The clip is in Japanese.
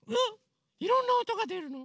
いろんなおとがでるの？